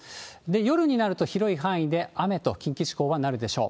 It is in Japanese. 夜になると、広い範囲で雨と、近畿地方はなるでしょう。